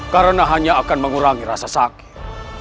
karena hanya akan mengurangi rasa sakit